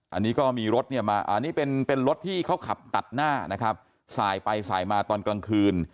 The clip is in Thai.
อันนี้ก็มีรถเนี่ยมาอันนี้เป็นรถที่เขาขับตัดหน้านะครับสายไปสายมาตอนกลางคืน